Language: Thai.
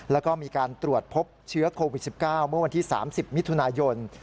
แล้วก็มีการตรวจพบเชื้อโควิด๑๙เมื่อวันที่๓๐มิถุนายน